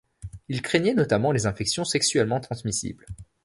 Il craignait notamment les infections sexuellement transmissibles.